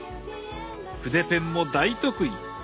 筆ペンも大得意！